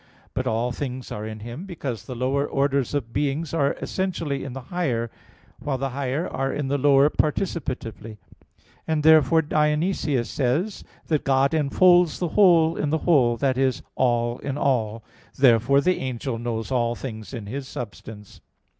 But all things are in him: because the lower orders of beings are essentially in the higher, while the higher are in the lower participatively: and therefore Dionysius says (Div. Nom. iv) that God "enfolds the whole in the whole," i.e. all in all. Therefore the angel knows all things in his substance.